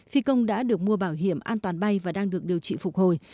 phi công đã được mua bảo hiểm an toàn bay và đang được điều trị phục hồi